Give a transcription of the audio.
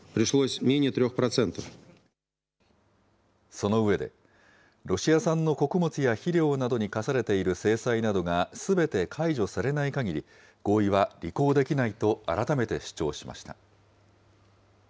その上で、ロシア産の穀物や肥料などに科されている制裁などがすべて解除されないかぎり、合意は履行できないと改めて主張しました。